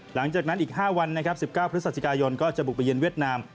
หลังจากนั้นอีก๕วันนะครับ๑๙พฤศจิกายนก็จะบุกไปเย็นเวียดนาม